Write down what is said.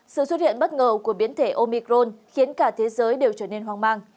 sự xuất hiện bất ngờ của biến thể omicron khiến cả thế giới đều trở nên hoang mang